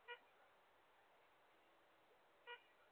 Wabuddha ni asilimia sita hadi kumina sita